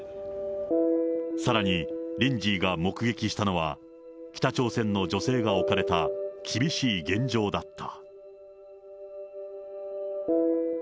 さらに、リンジーが目撃したのは、北朝鮮の女性が置かれた厳しい現状だった。